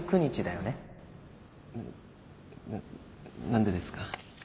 なな何でですか？